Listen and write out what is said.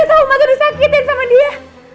emak tau disakitin sama dia